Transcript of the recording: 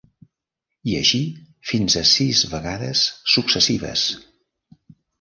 I així fins a sis vegades successives.